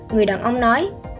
người đàn ông nói